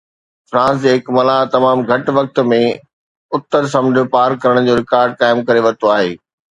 France جي هڪ ملاح تمام گهٽ وقت ۾ اتر سمنڊ پار ڪرڻ جو رڪارڊ قائم ڪري ورتو آهي